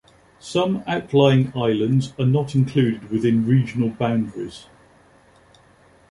Some outlying islands are not included within regional boundaries.